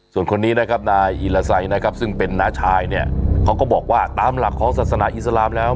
ส่วนคนนี้นะครับนายอีลาไซนะครับซึ่งเป็นน้าชายเนี่ยเขาก็บอกว่าตามหลักของศาสนาอิสลามแล้ว